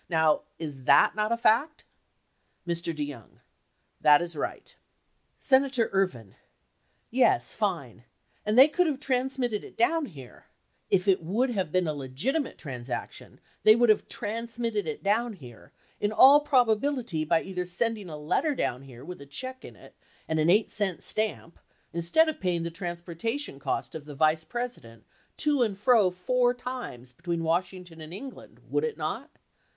Now, is that not a fact? Mr. DeYoung. That is right. Senator Ervin. Yes, fine. And they could have transmitted it down here — if it would have been a legitimate transaction they would have transmitted it down here — in all probability by either sending a letter down here with a check in it and an 8 cent stamp instead of paying the transportation cost of the vice president, to and fro, four times between Washing ton and England, would it not